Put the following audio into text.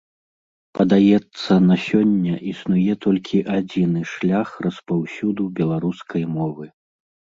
Падаецца, на сёння існуе толькі адзіны шлях распаўсюду беларускай мовы.